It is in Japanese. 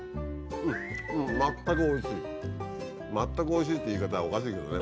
「まったくおいしい」って言い方はおかしいけどね。